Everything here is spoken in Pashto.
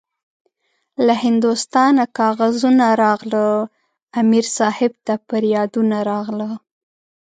له هندوستانه کاغذونه راغله- امیر صاحب ته پریادونه راغله